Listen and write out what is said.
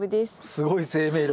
すごい生命力。